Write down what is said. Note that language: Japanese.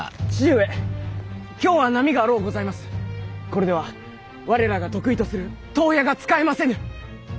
これでは我らが得意とする遠矢が使えませぬ。